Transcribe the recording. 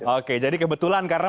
oke jadi kebetulan karena